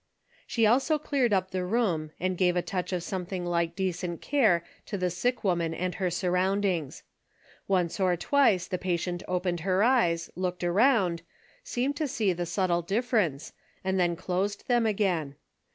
She also cleared up the room and gave a touch of something like decent care to the sick woman and her surroundings. Once or twice the patient opened her eyes, looked around, seemed to see the subtle difference, and then closed them again.